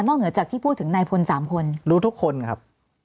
เหนือจากที่พูดถึงนายพลสามคนรู้ทุกคนครับ